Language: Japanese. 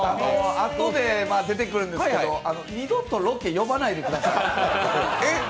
あとで出てくるんですけど二度とロケ、呼ばないでください。